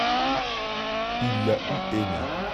il a eu aimé.